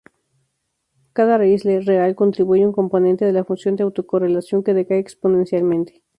Cada raíz real contribuye un componente de la función de autocorrelación que decae exponencialmente.